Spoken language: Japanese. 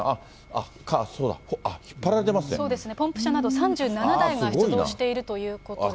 あっ、そうだ、あっ、そうですね、ポンプ車など３７台が出動しているということです。